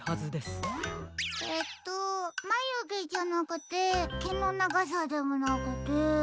えっとまゆげじゃなくてけのながさでもなくて。